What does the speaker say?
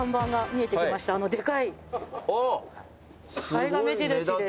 あれが目印です。